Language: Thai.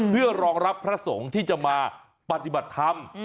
เพื่อรองรับพระสงฆ์ที่จะมาปฏิบัติธรรม